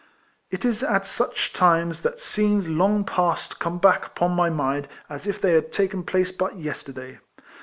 It is at such times that scenes long passed come back upon my mind as if they had taken place but yesterday.